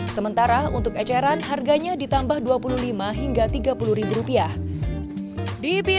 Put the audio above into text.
sementara untuk eceran harganya ditambah rp dua puluh lima hingga rp tiga puluh